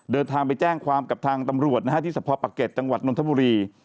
เดินทางไปแจ้งความกับทางตำรวจนะฮะที่สะพอปะเก็ตจังหวัดนทบุรี